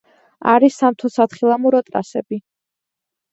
არის სამთო-სათხილამურო ტრასები.